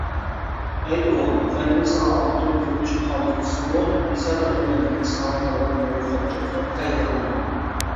ئەي ئوغۇل، مەندىن ساڭا ئالتۇن، كۈمۈش قالسىمۇ، سەن ئۇنى مەندىن ساڭا قالغان مەرىپەتكە تەڭ كۆرمە.